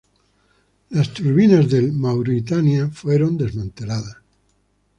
Las turbinas del "Mauretania" fueron desmanteladas.